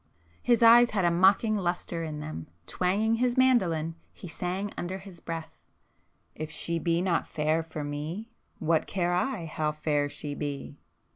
His eyes had a mocking lustre in them,—twanging his mandoline, he sang under his breath, "If she be not fair for me What care I how fair she be!"